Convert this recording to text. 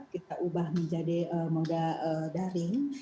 kita ubah menjadi moda daring